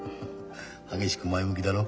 激しく前向きだろ？